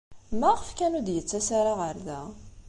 Maɣef kan ur d-yettas ara ɣer da?